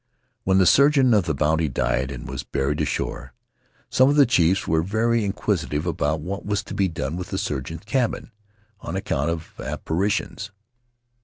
When the surgeon of the Bounty died and was buried ashore "some of the chiefs were very inquisitive about what was to be done with the surgeon's cabin, on ac count of apparitions.